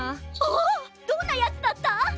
どんなヤツだった？